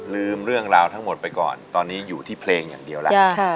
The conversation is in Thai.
ลืมเรื่องราวทั้งหมดไปก่อนตอนนี้อยู่ที่เพลงอย่างเดียวแล้ว